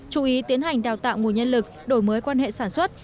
chú ý tiến hành đào tạo nguồn nhân lực đổi mới quan hệ sản xuất